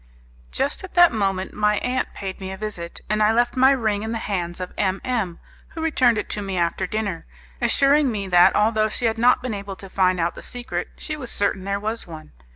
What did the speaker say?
"Just as that moment my aunt paid me a visit, and I left my ring in the hands of M M , who returned it to me after dinner, assuring me that, although she had not been able to find out the secret, she was certain there was one.